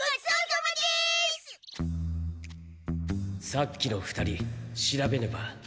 さっきの２人調べねば。